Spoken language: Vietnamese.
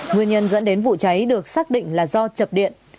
nguyên nhân dẫn đến vụ cháy được xác định là do chập điện